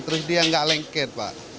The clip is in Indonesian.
terus dia nggak lengket pak